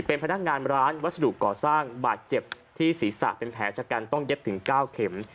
เป็นพนักงานร้านวัสดุก่อสร้างบาดเจ็บที่ศีรษะเป็นแผลชะกันต้องเย็บถึง๙เข็ม